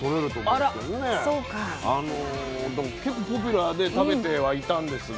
だから結構ポピュラーで食べてはいたんですが。